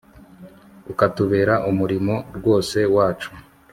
ukatubera umurimo rwose wacu